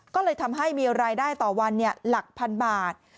ก็เลยทำให้มีรายได้ต่อวันหลักพันบาท